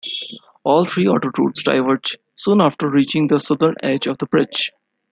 All three autoroutes diverge soon after reaching the southern edge of the bridge.